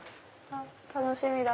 楽しみだ！